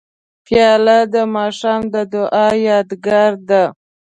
پیاله د ماښام د دعا یادګار ده.